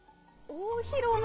大広間！